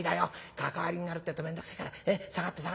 関わりになるってえと面倒くせえから下がって下がって。